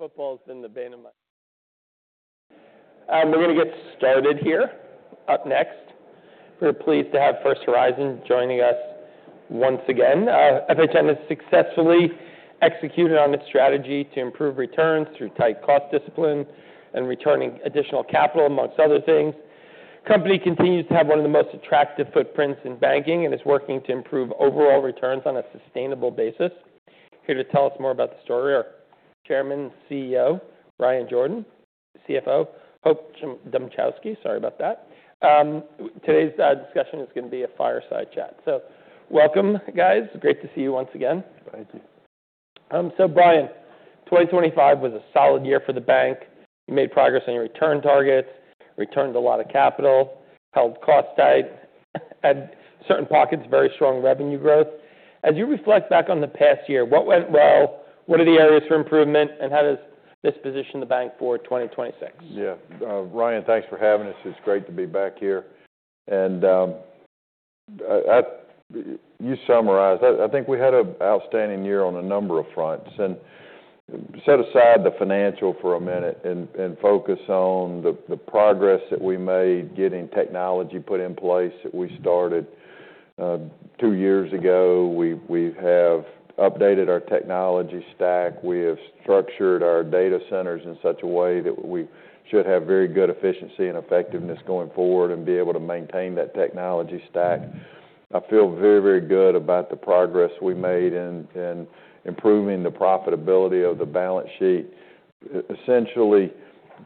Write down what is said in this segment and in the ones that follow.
We're gonna get started here. Up next, we're pleased to have First Horizon joining us once again. FHN has successfully executed on its strategy to improve returns through tight cost discipline and returning additional capital, among other things. The company continues to have one of the most attractive footprints in banking and is working to improve overall returns on a sustainable basis. Here to tell us more about the story are Chairman and CEO Bryan Jordan, CFO Hope Dmuchowski. Sorry about that. Today's discussion is gonna be a fireside chat, so welcome, guys. Great to see you once again. Thank you. So Bryan, 2025 was a solid year for the bank. You made progress on your return targets, returned a lot of capital, held costs tight, had certain pockets, very strong revenue growth. As you reflect back on the past year, what went well? What are the areas for improvement? And how does this position the bank for 2026? Yeah. Ryan, thanks for having us. It's great to be back here and I think you summarized. I think we had an outstanding year on a number of fronts and set aside the financial for a minute and focus on the progress that we made, getting technology put in place that we started two years ago. We have updated our technology stack. We have structured our data centers in such a way that we should have very good efficiency and effectiveness going forward and be able to maintain that technology stack. I feel very good about the progress we made in improving the profitability of the balance sheet, essentially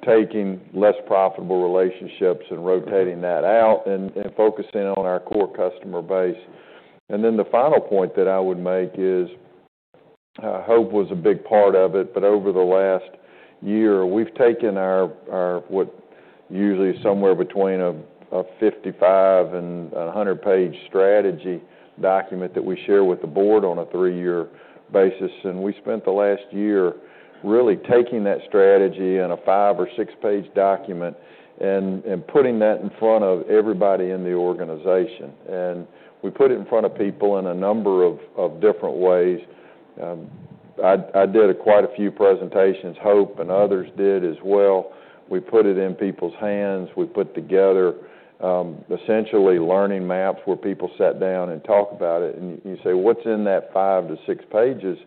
taking less profitable relationships and rotating that out and focusing on our core customer base. And then the final point that I would make is, Hope was a big part of it, but over the last year, we've taken our what usually is somewhere between a 55 and 100-page strategy document that we share with the board on a three-year basis. And we spent the last year really taking that strategy in a five or six-page document and putting that in front of everybody in the organization. And we put it in front of people in a number of different ways. I did quite a few presentations. Hope and others did as well. We put it in people's hands. We put together, essentially learning maps where people sat down and talked about it. You say, "What's in that five to six pages?"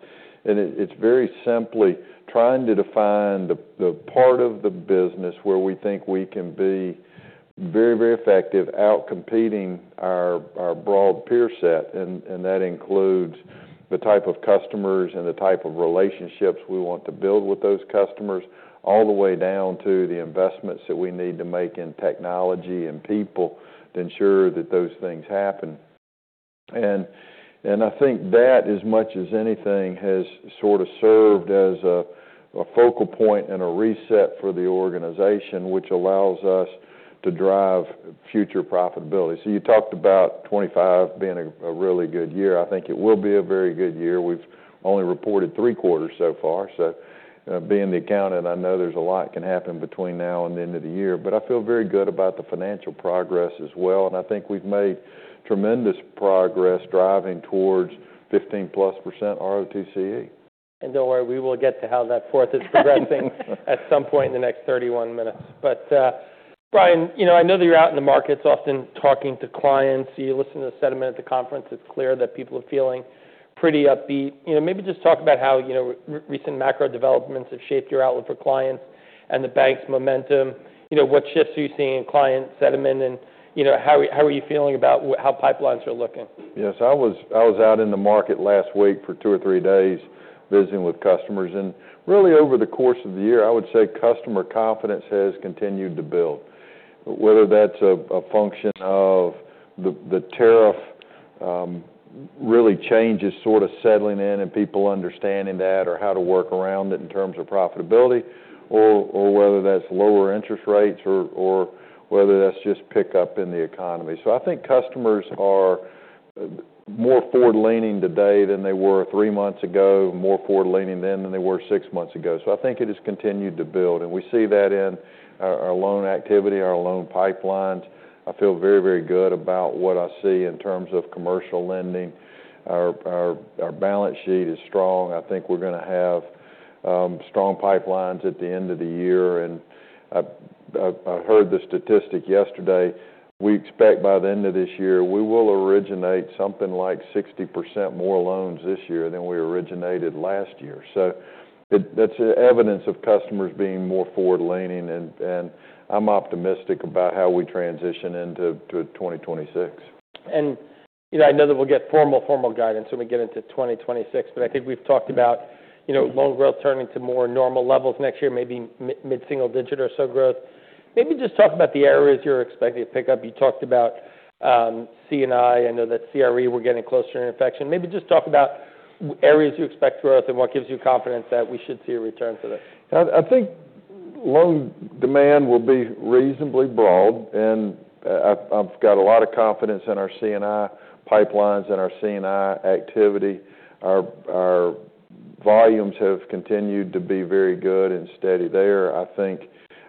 It's very simply trying to define the part of the business where we think we can be very, very effective, outcompeting our broad peer set. That includes the type of customers and the type of relationships we want to build with those customers, all the way down to the investments that we need to make in technology and people to ensure that those things happen. I think that, as much as anything, has sorta served as a focal point and a reset for the organization, which allows us to drive future profitability. You talked about 2025 being a really good year. I think it will be a very good year. We've only reported three quarters so far. So, being the accountant, I know there's a lot that can happen between now and the end of the year. But I feel very good about the financial progress as well. And I think we've made tremendous progress driving towards 15-plus% ROTCE. Don't worry, we will get to how that fourth is progressing at some point in the next 31 minutes. But, Bryan, you know, I know that you're out in the markets often talking to clients. You listen to the sentiment at the conference. It's clear that people are feeling pretty upbeat. You know, maybe just talk about how, you know, recent macro developments have shaped your outlook for clients and the bank's momentum. You know, what shifts are you seeing in client sentiment? And, you know, how are you feeling about how pipelines are looking? Yes. I was out in the market last week for two or three days visiting with customers. And really, over the course of the year, I would say customer confidence has continued to build. Whether that's a function of the tariff reality change is sorta settling in and people understanding that or how to work around it in terms of profitability, or whether that's lower interest rates or whether that's just pickup in the economy. So I think customers are more forward-leaning today than they were three months ago, more forward-leaning than they were six months ago. So I think it has continued to build. And we see that in our loan activity, our loan pipelines. I feel very, very good about what I see in terms of commercial lending. Our balance sheet is strong. I think we're gonna have strong pipelines at the end of the year and I heard the statistic yesterday. We expect by the end of this year, we will originate something like 60% more loans this year than we originated last year. So that's evidence of customers being more forward-leaning and I'm optimistic about how we transition into 2026. You know, I know that we'll get formal guidance when we get into 2026. I think we've talked about, you know, loan growth turning to more normal levels next year, maybe mid-single-digit or so growth. Maybe just talk about the areas you're expecting to pick up. You talked about C&I. I know that CRE, we're getting closer to inflection. Maybe just talk about areas you expect growth and what gives you confidence that we should see a return for this. I think loan demand will be reasonably broad. I've got a lot of confidence in our C&I pipelines and our C&I activity. Our volumes have continued to be very good and steady there. I think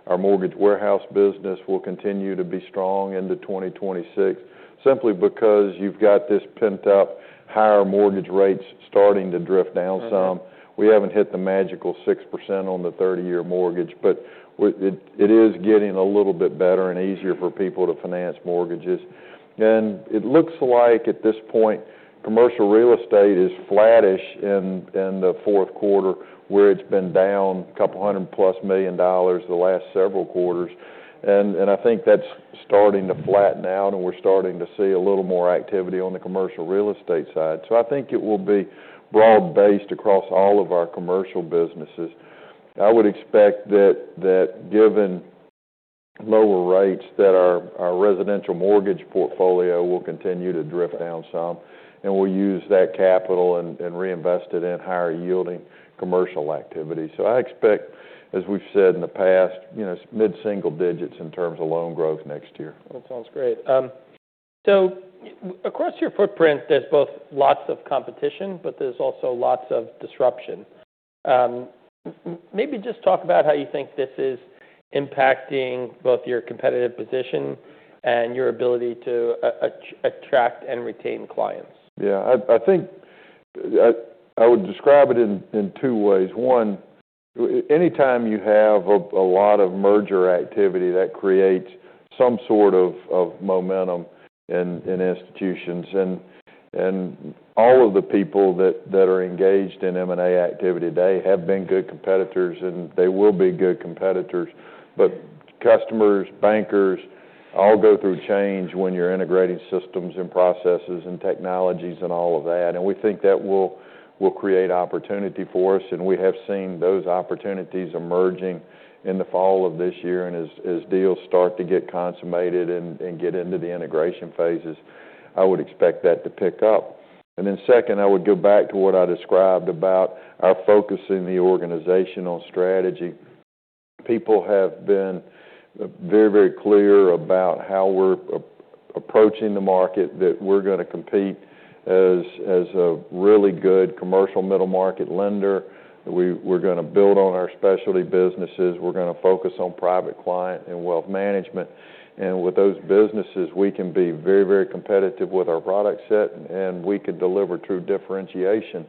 our mortgage warehouse business will continue to be strong into 2026 simply because you've got this pent-up higher mortgage rates starting to drift down some. We haven't hit the magical 6% on the 30-year mortgage. It is getting a little bit better and easier for people to finance mortgages. It looks like at this point commercial real estate is flattish in the fourth quarter, where it's been down a couple hundred-plus million dollars the last several quarters. I think that's starting to flatten out, and we're starting to see a little more activity on the commercial real estate side. I think it will be broad-based across all of our commercial businesses. I would expect that given lower rates, that our residential mortgage portfolio will continue to drift down some. We'll use that capital and reinvest it in higher-yielding commercial activity. I expect, as we've said in the past, you know, mid-single digits in terms of loan growth next year. That sounds great, so across your footprint, there's both lots of competition, but there's also lots of disruption. Maybe just talk about how you think this is impacting both your competitive position and your ability to attract and retain clients? Yeah. I think I would describe it in two ways. One, anytime you have a lot of merger activity, that creates some sort of momentum in institutions. And all of the people that are engaged in M&A activity today have been good competitors, and they will be good competitors. But customers, bankers all go through change when you're integrating systems and processes and technologies and all of that. And we think that will create opportunity for us. And we have seen those opportunities emerging in the fall of this year. And as deals start to get consummated and get into the integration phases, I would expect that to pick up. And then second, I would go back to what I described about our focus in the organization on strategy. People have been very, very clear about how we're approaching the market, that we're gonna compete as a really good commercial middle-market lender. We're gonna build on our specialty businesses. We're gonna focus on private client and wealth management. With those businesses, we can be very, very competitive with our product set. We can deliver true differentiation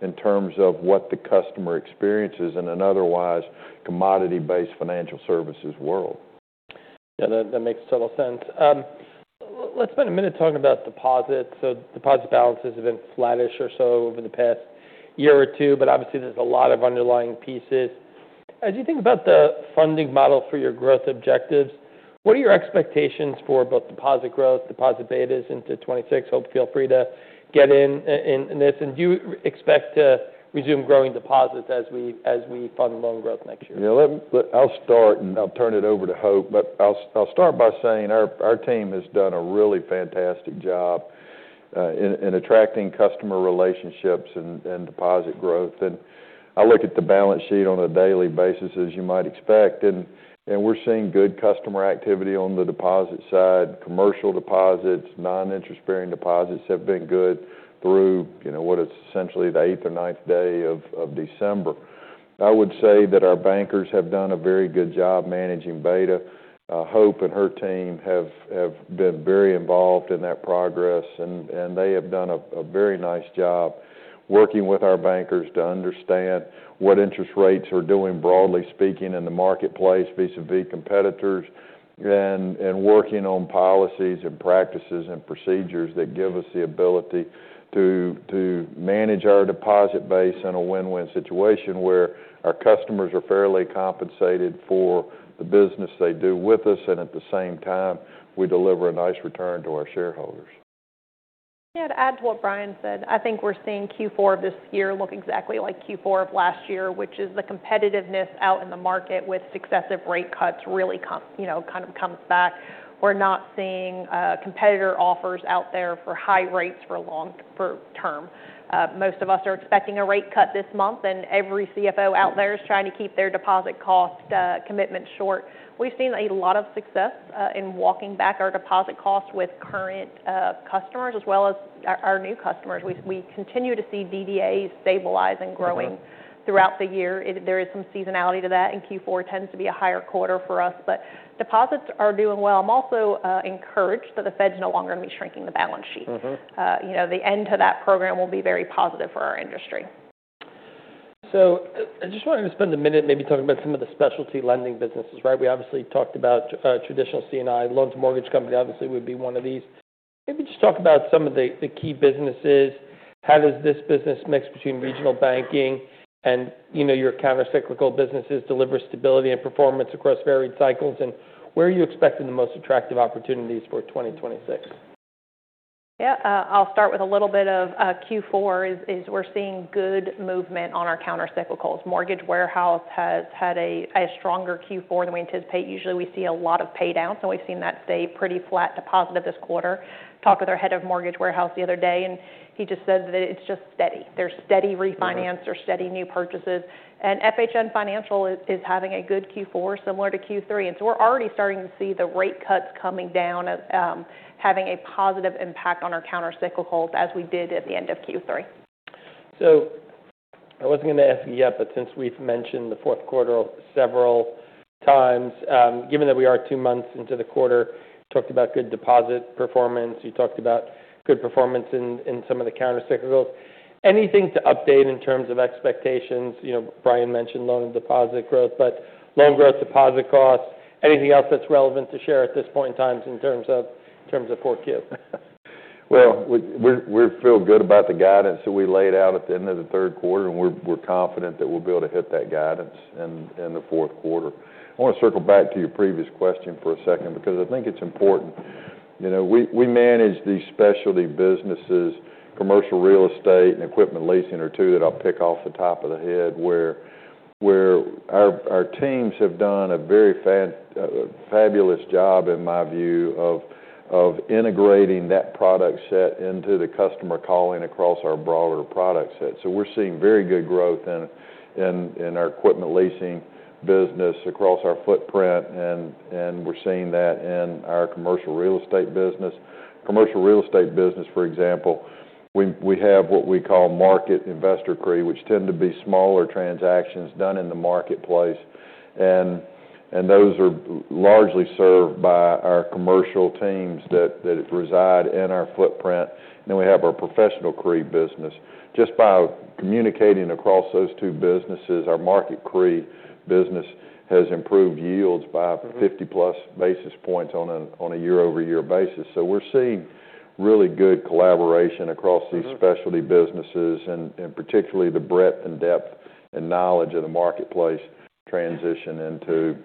in terms of what the customer experiences in an otherwise commodity-based financial services world. Yeah. That makes total sense. Let's spend a minute talking about deposits. So deposit balances have been flattish or so over the past year or two. But obviously, there's a lot of underlying pieces. As you think about the funding model for your growth objectives, what are your expectations for both deposit growth, deposit betas into 2026? Hope, feel free to get in this. And do you expect to resume growing deposits as we fund loan growth next year? Yeah. I'll start, and I'll turn it over to Hope. I'll start by saying our team has done a really fantastic job in attracting customer relationships and deposit growth. I look at the balance sheet on a daily basis, as you might expect. We're seeing good customer activity on the deposit side. Commercial deposits, non-interest-bearing deposits have been good through, you know, what is essentially the eighth or ninth day of December. I would say that our bankers have done a very good job managing beta. Hope and her team have been very involved in that progress. They have done a very nice job working with our bankers to understand what interest rates are doing, broadly speaking, in the marketplace vis-à-vis competitors. Working on policies and practices and procedures that give us the ability to manage our deposit base in a win-win situation where our customers are fairly compensated for the business they do with us. And at the same time, we deliver a nice return to our shareholders. Yeah. To add to what Bryan said, I think we're seeing Q4 of this year look exactly like Q4 of last year, which is the competitiveness out in the market with successive rate cuts really come, you know, kind of comes back. We're not seeing competitor offers out there for high rates for long-term. Most of us are expecting a rate cut this month. And every CFO out there is trying to keep their deposit cost commitment short. We've seen a lot of success in walking back our deposit costs with current customers as well as our new customers. We continue to see DDAs stabilize and growing throughout the year. There is some seasonality to that. And Q4 tends to be a higher quarter for us. But deposits are doing well. I'm also encouraged that the Fed's no longer gonna be shrinking the balance sheet. Mm-hmm. You know, the end to that program will be very positive for our industry. So I just wanted to spend a minute maybe talking about some of the specialty lending businesses, right? We obviously talked about traditional C&I loans and mortgage company obviously would be one of these. Maybe just talk about some of the key businesses. How does this business mix between regional banking and, you know, your countercyclical businesses deliver stability and performance across varied cycles? And where are you expecting the most attractive opportunities for 2026? Yeah. I'll start with a little bit of Q4. We're seeing good movement on our countercyclicals. Mortgage Warehouse has had a stronger Q4 than we anticipate. Usually, we see a lot of paydowns. And we've seen that stay pretty flat deposits of this quarter. Talked with our head of Mortgage Warehouse the other day. And he just said that it's just steady. They're steady refinances. They're steady new purchases. And FHN Financial is having a good Q4, similar to Q3. And so we're already starting to see the rate cuts coming down, having a positive impact on our countercyclicals as we did at the end of Q3. So I wasn't gonna ask you yet, but since we've mentioned the fourth quarter several times, given that we are two months into the quarter, talked about good deposit performance. You talked about good performance in some of the countercyclicals. Anything to update in terms of expectations? You know, Bryan mentioned loan and deposit growth. But loan growth, deposit costs, anything else that's relevant to share at this point in time in terms of 4Q? Well, we feel good about the guidance that we laid out at the end of the third quarter. And we're confident that we'll be able to hit that guidance in the fourth quarter. I wanna circle back to your previous question for a second because I think it's important. You know, we manage these specialty businesses, commercial real estate and equipment leasing are two that I'll pick off the top of the head where our teams have done a very fabulous job, in my view, of integrating that product set into the customer calling across our broader product set. So we're seeing very good growth in our equipment leasing business across our footprint. And we're seeing that in our commercial real estate business. Commercial real estate business, for example, we have what Market Investor CRE, which tend to be smaller transactions done in the marketplace. And those are largely served by our commercial teams that reside in our footprint. And then we have our Professional CRE business. Just by communicating across those two businesses, our market CRE business has improved yields by 50-plus basis points on a year-over-year basis. So we're seeing really good collaboration across these specialty businesses and particularly the breadth and depth and knowledge of the marketplace transition into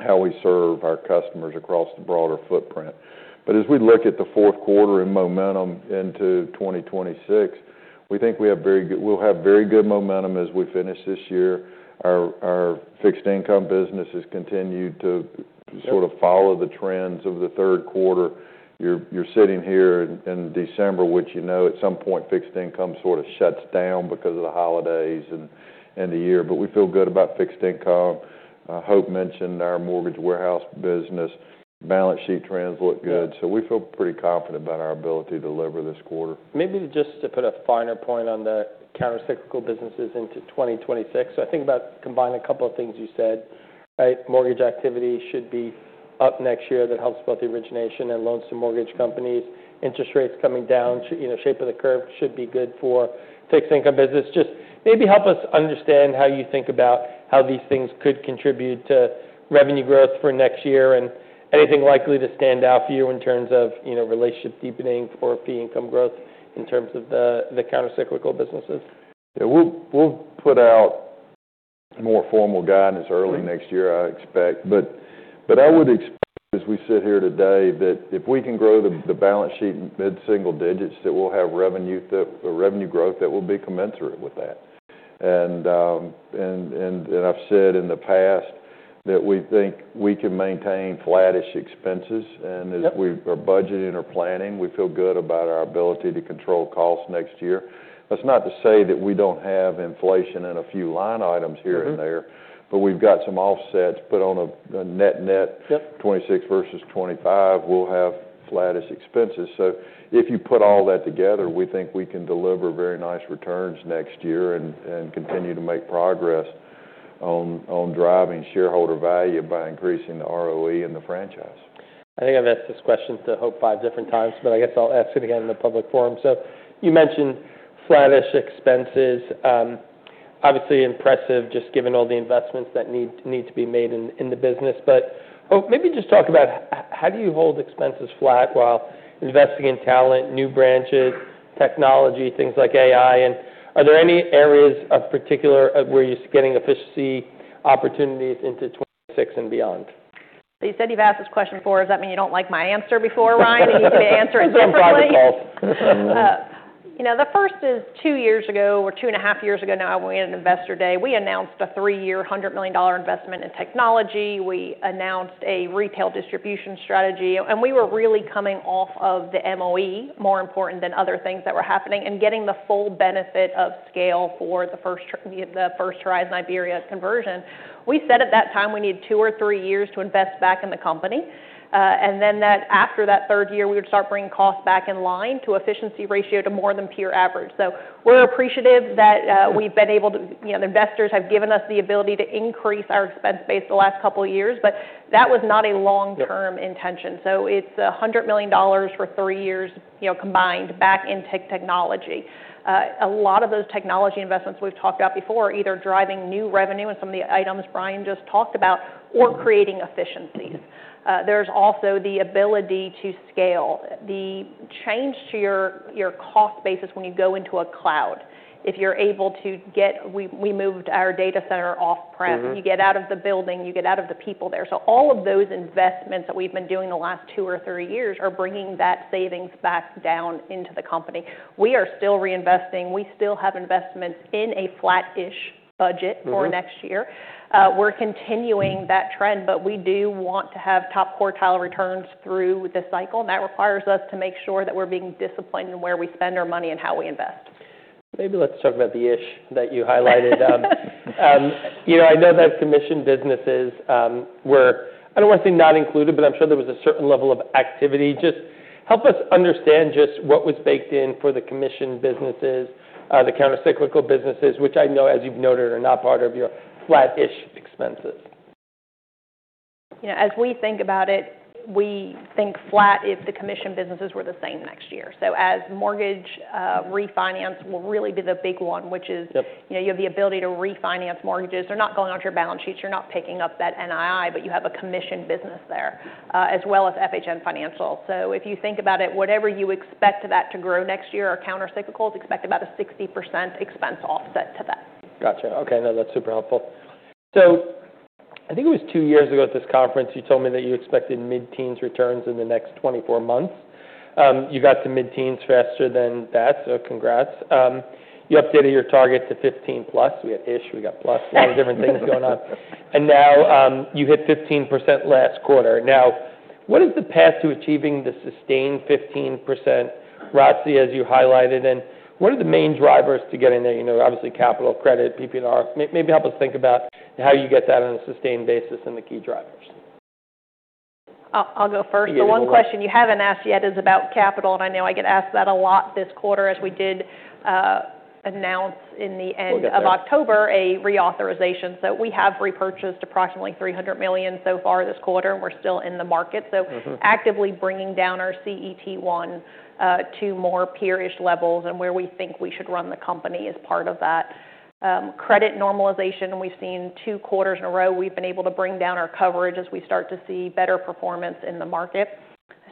how we serve our customers across the broader footprint. But as we look at the fourth quarter and momentum into 2026, we think we'll have very good momentum as we finish this year. Our fixed income business has continued to sort of follow the trends of the third quarter. You're sitting here in December, which, you know, at some point, fixed income sorta shuts down because of the holidays and the year. But we feel good about fixed income. Hope mentioned our mortgage warehouse business. Balance sheet trends look good. So we feel pretty confident about our ability to deliver this quarter. Maybe just to put a finer point on the countercyclical businesses into 2026, so I think about combining a couple of things you said, right? Mortgage activity should be up next year. That helps both the origination and loans to mortgage companies. Interest rates coming down, you know, shape of the curve should be good for fixed income business. Just maybe help us understand how you think about how these things could contribute to revenue growth for next year. And anything likely to stand out for you in terms of, you know, relationship deepening for fee-income growth in terms of the countercyclical businesses? Yeah. We'll put out more formal guidance early next year, I expect, but I would expect, as we sit here today, that if we can grow the balance sheet mid-single digits, that we'll have revenue that or revenue growth that will be commensurate with that, and I've said in the past that we think we can maintain flattish expenses, and as we are budgeting or planning, we feel good about our ability to control costs next year. That's not to say that we don't have inflation in a few line items here and there. Mm-hmm. But we've got some offsets put on a net-net. Yep. 2026 versus 2025, we'll have flattish expenses. So if you put all that together, we think we can deliver very nice returns next year and continue to make progress on driving shareholder value by increasing the ROE in the franchise. I think I've asked this question to Hope five different times. But I guess I'll ask it again in the public forum. So you mentioned flattish expenses. Obviously impressive just given all the investments that need to be made in the business. But Hope, maybe just talk about how do you hold expenses flat while investing in talent, new branches, technology, things like AI? And are there any areas in particular where you're getting efficiency opportunities into 2026 and beyond? You said you've asked this question before. Does that mean you don't like my answer before, Ryan, and you can answer it differently? Some private calls. you know, the first is two years ago or two and a half years ago now, we had an investor day. We announced a three-year, $100 million investment in technology. We announced a retail distribution strategy, and we were really coming off of the MOE, more important than other things that were happening, and getting the full benefit of scale for the First Horizon IBERIABANK conversion. We said at that time we needed two or three years to invest back in the company, and then that after that third year, we would start bringing costs back in line to efficiency ratio to more than peer average, so we're appreciative that we've been able to, you know, the investors have given us the ability to increase our expense base the last couple of years, but that was not a long-term intention. So it's $100 million for three years, you know, combined back into technology. A lot of those technology investments we've talked about before are either driving new revenue in some of the items Bryan just talked about or creating efficiencies. There's also the ability to scale, the change to your cost basis when you go into a cloud. If you're able to, we moved our data center off-prem. You get out of the building. You get out of the people there. So all of those investments that we've been doing the last two or three years are bringing that savings back down into the company. We are still reinvesting. We still have investments in a flattish budget for next year. We're continuing that trend. But we do want to have top quartile returns through the cycle. That requires us to make sure that we're being disciplined in where we spend our money and how we invest. Maybe let's talk about the issue that you highlighted. You know, I know that commissioned businesses were. I don't wanna say not included, but I'm sure there was a certain level of activity. Just help us understand just what was baked in for the commissioned businesses, the countercyclical businesses, which I know, as you've noted, are not part of your flattish expenses. You know, as we think about it, we think flat if the commissioned businesses were the same next year. So as mortgage, refinance will really be the big one, which is. Yep. You know, you have the ability to refinance mortgages. They're not going onto your balance sheets. You're not picking up that NII. But you have a commissioned business there, as well as FHN Financial. So if you think about it, whatever you expect that to grow next year, our countercyclicals expect about a 60% expense offset to that. Gotcha. Okay. No, that's super helpful. So I think it was two years ago at this conference, you told me that you expected mid-teens returns in the next 24 months. You got to mid-teens faster than that. So congrats. You updated your target to 15-plus. We had-ish. We got-plus. A lot of different things going on. And now, you hit 15% last quarter. Now, what is the path to achieving the sustained 15%, ROTCE, as you highlighted? And what are the main drivers to getting there? You know, obviously capital credit, PP&R. Maybe help us think about how you get that on a sustained basis and the key drivers. I'll go first. Yeah. The one question you haven't asked yet is about capital, and I know I get asked that a lot this quarter as we did announce in the end of October. Well, good. A reauthorization. We have repurchased approximately $300 million so far this quarter. We're still in the market. So. Mm-hmm. Actively bringing down our CET1 to more peer-ish levels and where we think we should run the company as part of that. Credit normalization, we've seen two quarters in a row, we've been able to bring down our coverage as we start to see better performance in the market.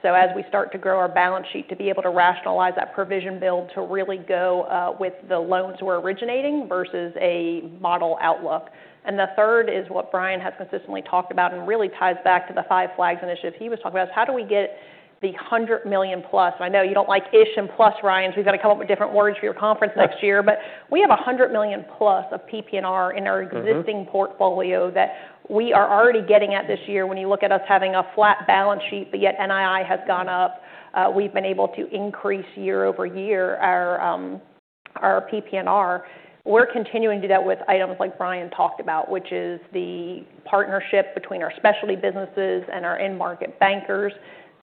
So as we start to grow our balance sheet to be able to rationalize that provision build to really go with the loans we're originating versus a model outlook, and the third is what Bryan has consistently talked about and really ties back to the five- or six-page initiative he was talking about. It's how do we get the $100 million-plus? I know you don't like-ish and plus, Ryan. So we've gotta come up with different words for your conference next year. Mm-hmm. But we have $100 million-plus of PP&R in our existing portfolio that we are already getting this year. When you look at us having a flat balance sheet but yet NII has gone up, we've been able to increase year-over-year our PP&R. We're continuing to do that with items like Bryan talked about, which is the partnership between our specialty businesses and our in-market bankers,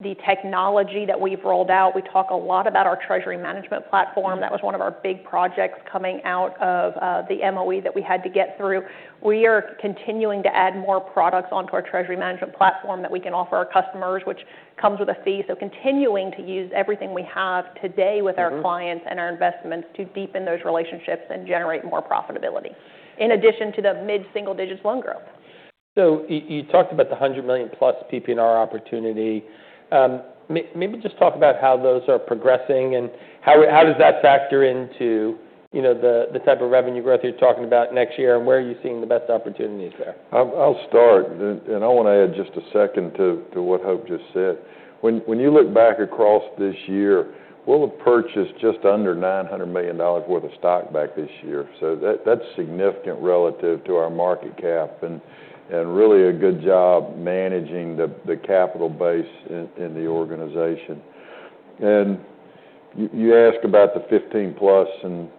the technology that we've rolled out. We talk a lot about our treasury management platform. That was one of our big projects coming out of the MOE that we had to get through. We are continuing to add more products onto our treasury management platform that we can offer our customers, which comes with a fee. Continuing to use everything we have today with our clients and our investments to deepen those relationships and generate more profitability in addition to the mid-single digits loan growth. You talked about the $100 million-plus PP&R opportunity. Maybe just talk about how those are progressing and how does that factor into, you know, the type of revenue growth you're talking about next year? And where are you seeing the best opportunities there? I'll start. And I wanna add just a second to what Hope just said. When you look back across this year, we'll have purchased just under $900 million worth of stock back this year. So that's significant relative to our market cap and really a good job managing the capital base in the organization. You ask about the 15-plus, and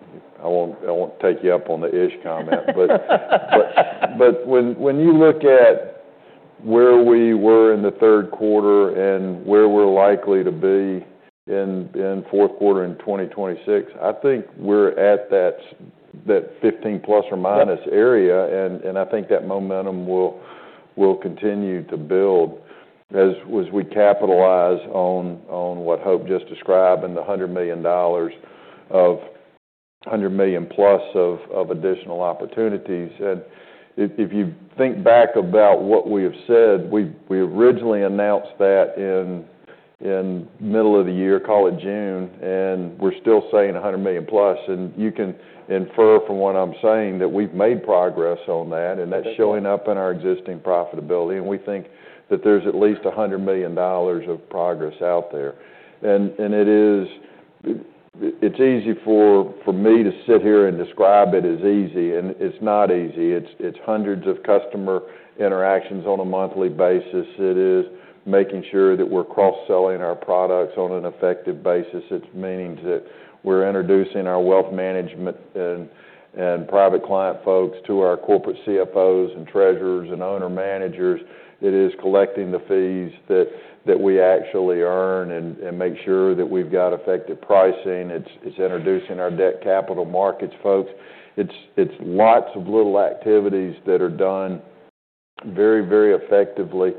I won't take you up on the-ish comment. But when you look at where we were in the third quarter and where we're likely to be in fourth quarter in 2026, I think we're at that 15-plus or minus area. And I think that momentum will continue to build as we capitalize on what Hope just described and the $100 million of 100 million-plus of additional opportunities. And if you think back about what we have said, we originally announced that in the middle of the year, call it June. And we're still saying $100 million-plus. And you can infer from what I'm saying that we've made progress on that. Yep. And that's showing up in our existing profitability. And we think that there's at least $100 million of progress out there. And it is. It's easy for me to sit here and describe it as easy. And it's not easy. It's hundreds of customer interactions on a monthly basis. It is making sure that we're cross-selling our products on an effective basis. It's meaning that we're introducing our wealth management and private client folks to our corporate CFOs and treasurers and owner-managers. It is collecting the fees that we actually earn and make sure that we've got effective pricing. It's introducing our debt capital markets folks. It's lots of little activities that are done very, very effectively.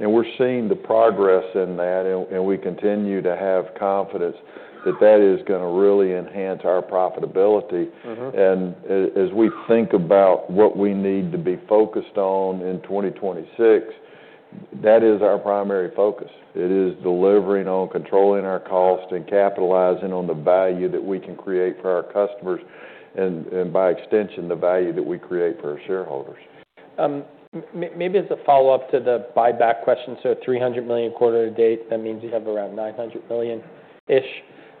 And we're seeing the progress in that. And we continue to have confidence that that is gonna really enhance our profitability. Mm-hmm. As we think about what we need to be focused on in 2026, that is our primary focus. It is delivering on controlling our cost and capitalizing on the value that we can create for our customers and by extension, the value that we create for our shareholders. Maybe as a follow-up to the buyback question. So $300 million quarter to date, that means you have around $900 million-ish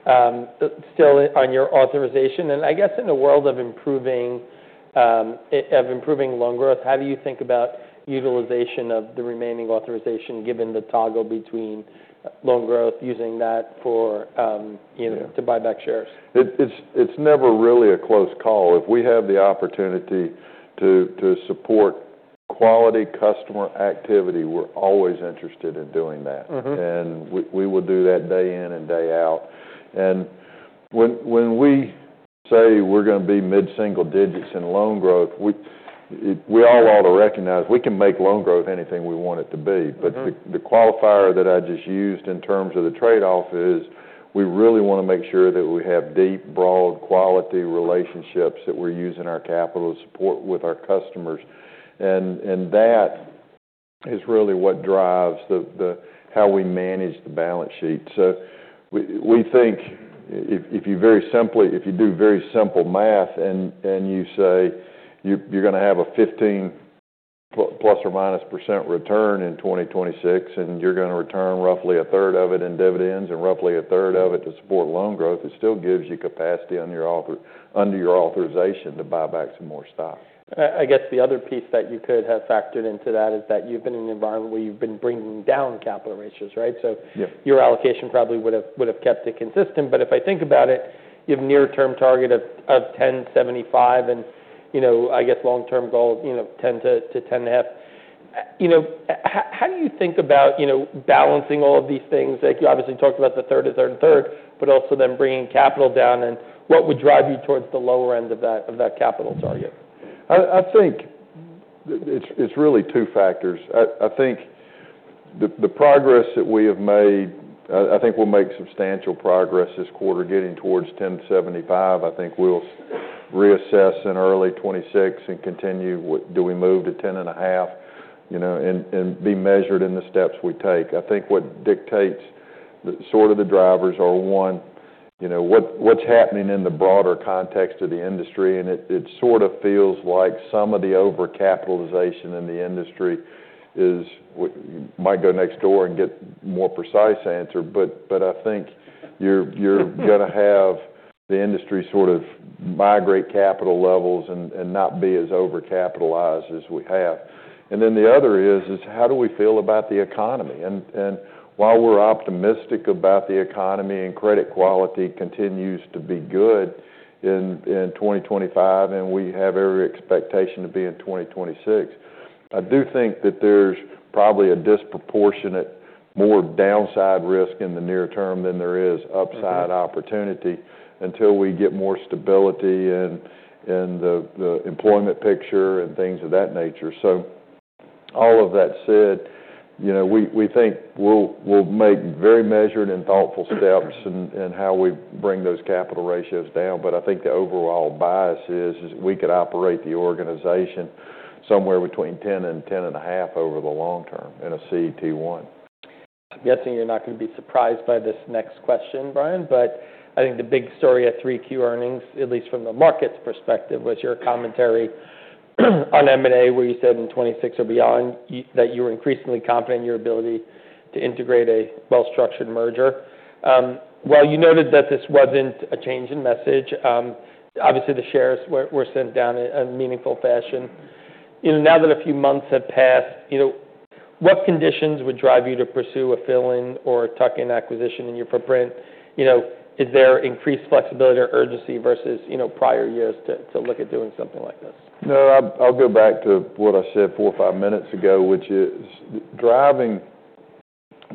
still on your authorization. And I guess in the world of improving loan growth, how do you think about utilization of the remaining authorization given the toggle between loan growth using that for, you know, to buy back shares? It's never really a close call. If we have the opportunity to support quality customer activity, we're always interested in doing that. Mm-hmm. We will do that day in and day out. When we say we're gonna be mid-single digits in loan growth, we all ought to recognize we can make loan growth anything we want it to be. Yeah. But the qualifier that I just used in terms of the trade-off is we really wanna make sure that we have deep, broad quality relationships that we're using our capital to support with our customers. And that is really what drives the how we manage the balance sheet. So we think if you very simply, if you do very simple math and you say you're gonna have a 15-plus or minus % return in 2026, and you're gonna return roughly a third of it in dividends and roughly a third of it to support loan growth, it still gives you capacity under your authorization to buy back some more stock. I guess the other piece that you could have factored into that is that you've been in an environment where you've been bringing down capital ratios, right? So. Yep. Your allocation probably would've kept it consistent. But if I think about it, you have a near-term target of 10.75. And, you know, I guess long-term goal, you know, 10 to 10 and a half. You know, how do you think about, you know, balancing all of these things? Like you obviously talked about the third and third, but also then bringing capital down. And what would drive you towards the lower end of that capital target? I think it's really two factors. I think the progress that we have made. I think we'll make substantial progress this quarter getting towards 10.75. I think we'll reassess in early 2026 and continue what do we move to 10.5, you know, and be measured in the steps we take. I think what dictates the sort of drivers are one, you know, what's happening in the broader context of the industry. And it sort of feels like some of the over-capitalization in the industry is what you might go next door and get more precise answer. But I think you're gonna have the industry sort of migrate capital levels and not be as over-capitalized as we have. And then the other is how do we feel about the economy? And while we're optimistic about the economy and credit quality continues to be good in 2025 and we have every expectation to be in 2026, I do think that there's probably a disproportionate more downside risk in the near term than there is upside opportunity until we get more stability in the employment picture and things of that nature. So all of that said, you know, we think we'll make very measured and thoughtful steps in how we bring those capital ratios down. But I think the overall bias is we could operate the organization somewhere between 10 and 10 and a half over the long term in a CET1. I'm guessing you're not gonna be surprised by this next question, Bryan. But I think the big story at 3Q earnings, at least from the market's perspective, was your commentary on M&A where you said in 2026 or beyond that you were increasingly confident in your ability to integrate a well-structured merger. Well, you noted that this wasn't a change in message. Obviously the shares were sent down in a meaningful fashion. You know, now that a few months have passed, you know, what conditions would drive you to pursue a fill-in or a tuck-in acquisition in your footprint? You know, is there increased flexibility or urgency versus, you know, prior years to, to look at doing something like this? No, I'll go back to what I said four or five minutes ago, which is driving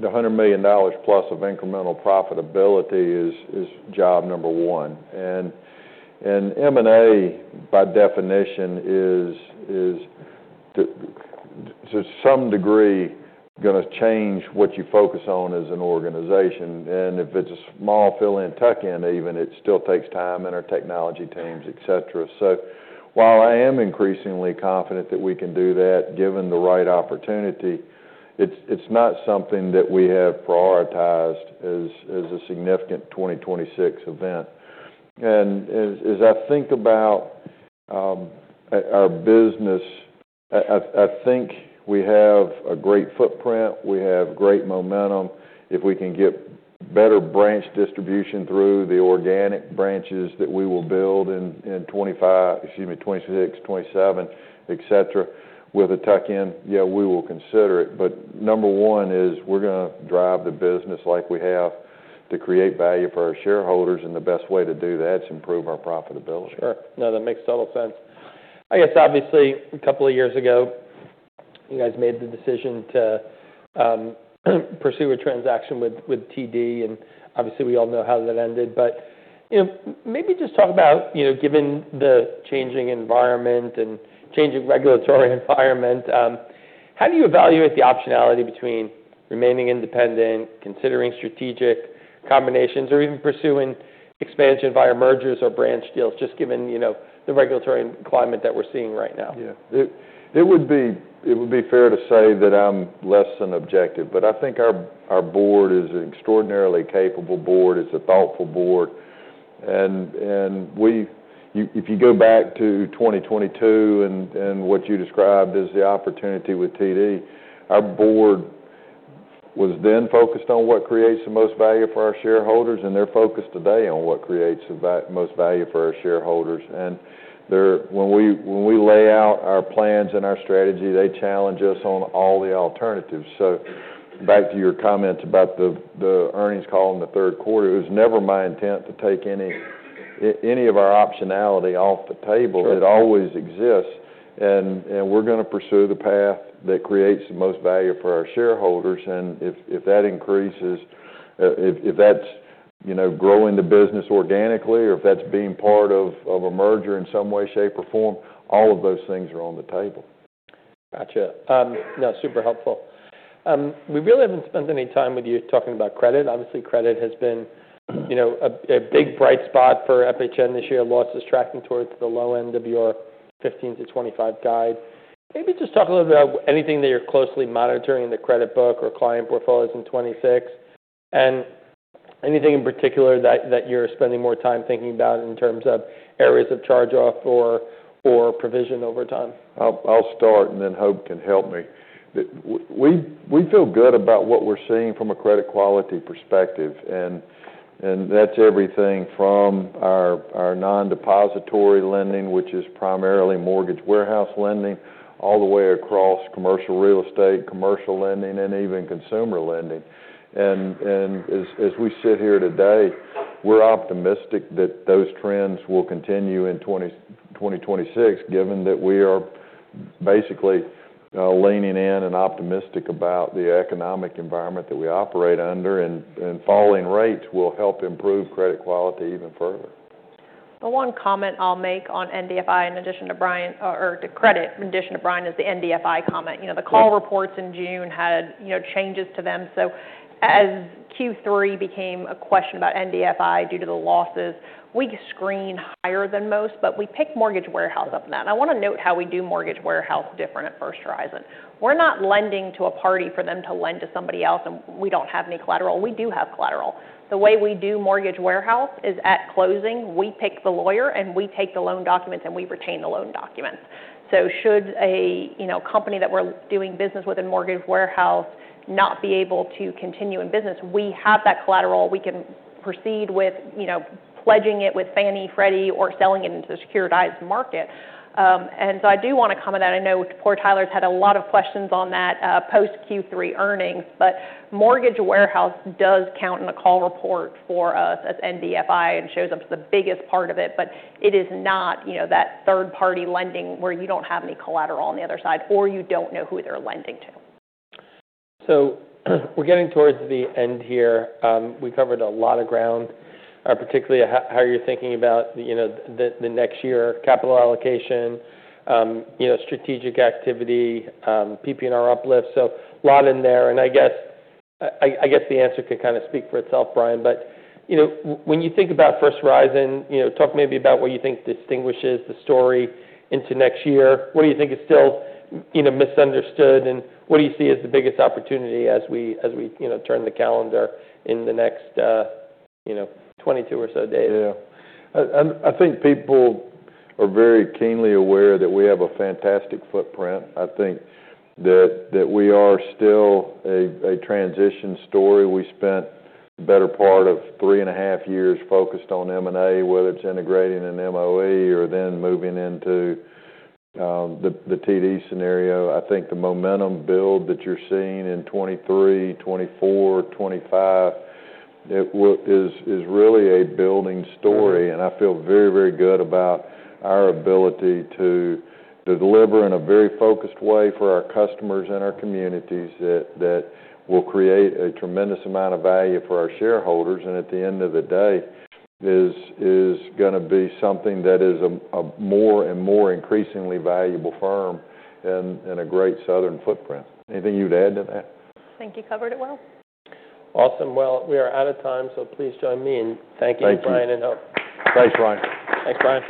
the $100 million-plus of incremental profitability is job number one. And M&A by definition is to some degree gonna change what you focus on as an organization. And if it's a small fill-in tuck-in even, it still takes time and our technology teams, etc. So while I am increasingly confident that we can do that given the right opportunity, it's not something that we have prioritized as a significant 2026 event. And as I think about our business, I think we have a great footprint. We have great momentum if we can get better branch distribution through the organic branches that we will build in 2025, excuse me, 2026, 2027, etc. With a tuck-in, yeah, we will consider it. But number one is we're gonna drive the business like we have to create value for our shareholders. And the best way to do that is improve our profitability. Sure. No, that makes total sense. I guess obviously a couple of years ago you guys made the decision to pursue a transaction with TD. And obviously we all know how that ended. But you know, maybe just talk about, you know, given the changing environment and changing regulatory environment, how do you evaluate the optionality between remaining independent, considering strategic combinations, or even pursuing expansion via mergers or branch deals just given, you know, the regulatory climate that we're seeing right now? Yeah. It would be fair to say that I'm less than objective. But I think our board is an extraordinarily capable board. It's a thoughtful board. And if you go back to 2022 and what you described as the opportunity with TD, our board was then focused on what creates the most value for our shareholders. And they're focused today on what creates the most value for our shareholders. And they, when we lay out our plans and our strategy, challenge us on all the alternatives. So back to your comments about the earnings call in the third quarter, it was never my intent to take any of our optionality off the table. Sure. It always exists. And we're gonna pursue the path that creates the most value for our shareholders. And if that increases, if that's, you know, growing the business organically or if that's being part of a merger in some way, shape, or form, all of those things are on the table. Gotcha. No, super helpful. We really haven't spent any time with you talking about credit. Obviously, credit has been, you know, a big bright spot for FHN this year. Loss is tracking towards the low end of your 15-25 guide. Maybe just talk a little bit about anything that you're closely monitoring in the credit book or client portfolios in 2026 and anything in particular that you're spending more time thinking about in terms of areas of charge-off or provision over time. I'll start and then Hope can help me. We feel good about what we're seeing from a credit quality perspective. And that's everything from our non-depository lending, which is primarily mortgage warehouse lending, all the way across commercial real estate, commercial lending, and even consumer lending. And as we sit here today, we're optimistic that those trends will continue in 2026 given that we are basically leaning in and optimistic about the economic environment that we operate under. And falling rates will help improve credit quality even further. The one comment I'll make on NDFI in addition to Bryan to credit in addition to Bryan is the NDFI comment. You know, the call reports in June had, you know, changes to them. So as Q3 became a question about NDFI due to the losses, we screen higher than most, but we pick mortgage warehouse up on that. And I wanna note how we do mortgage warehouse different at First Horizon. We're not lending to a party for them to lend to somebody else, and we don't have any collateral. We do have collateral. The way we do mortgage warehouse is at closing, we pick the lawyer and we take the loan documents and we retain the loan documents. So should a, you know, company that we're doing business with in mortgage warehouse not be able to continue in business, we have that collateral. We can proceed with, you know, pledging it with Fannie Freddie or selling it into the securitized market, and so I do wanna comment that I know poor Tyler's had a lot of questions on that, post-Q3 earnings. But Mortgage Warehouse does count in the call report for us as NDFI and shows up as the biggest part of it. But it is not, you know, that third-party lending where you don't have any collateral on the other side or you don't know who they're lending to. So we're getting towards the end here. We covered a lot of ground, particularly how you're thinking about, you know, the next year capital allocation, you know, strategic activity, PP&R uplift. So a lot in there. And I guess the answer could kinda speak for itself, Bryan. But, you know, when you think about First Horizon, you know, talk maybe about what you think distinguishes the story into next year. What do you think is still, you know, misunderstood? And what do you see as the biggest opportunity as we, you know, turn the calendar in the next, you know, 22 or so days? Yeah. I think people are very keenly aware that we have a fantastic footprint. I think that we are still a transition story. We spent the better part of three and a half years focused on M&A, whether it's integrating an MOE or then moving into the TD scenario. I think the momentum building that you're seeing in 2023, 2024, 2025, it is really a building story. And I feel very, very good about our ability to deliver in a very focused way for our customers and our communities that will create a tremendous amount of value for our shareholders. And at the end of the day, it is gonna be something that is a more and more increasingly valuable firm and a great southern footprint. Anything you'd add to that? Think you covered it well. Awesome. Well, we are out of time. So please join me in thanking Bryan and Hope. Thanks, Bryan. Thanks, Bryan.